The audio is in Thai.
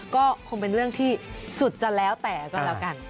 ก็คงเป็นเรื่องที่สุดจะแล้วแต่ก็แล้วกัน